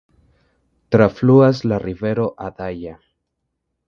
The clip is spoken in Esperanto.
Trafluas la rivero Adaja.